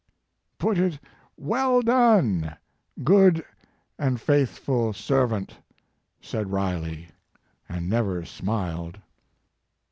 2OJ "Put it, Well done, good and faithful servant! said Riley, and never smiled.